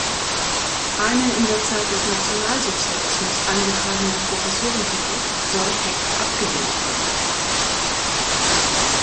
Einen in der Zeit des Nationalsozialismus angetragenen Professorentitel soll Heck abgelehnt haben.